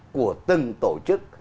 của từng tổ chức